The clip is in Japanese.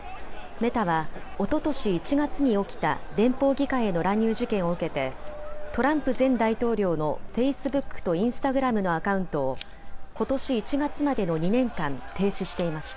メタはおととし１月に起きた連邦議会への乱入事件を受けてトランプ前大統領のフェイスブックとインスタグラムのアカウントをことし１月までの２年間停止していました。